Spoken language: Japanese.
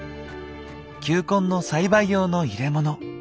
球根の栽培用の入れ物。